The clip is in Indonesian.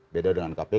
beda dengan kpk